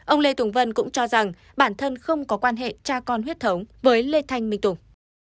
ông lê tùng vân cũng cho rằng bản thân không có quan hệ cha con huyết thống với lê thanh minh tùng